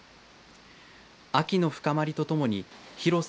秋の深まりとともに広さ